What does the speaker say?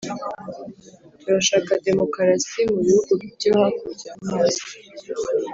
Turashaka demokarasi mu bihugu byo hakurya yamazi